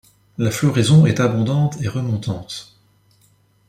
La floraison est abondante et remontante.